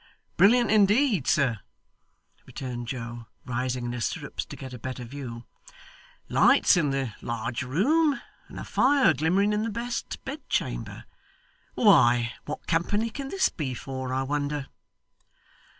'Brilliant indeed, sir,' returned Joe, rising in his stirrups to get a better view. 'Lights in the large room, and a fire glimmering in the best bedchamber? Why, what company can this be for, I wonder!